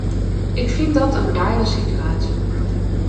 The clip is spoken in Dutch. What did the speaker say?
Ik vind dat een rare situatie.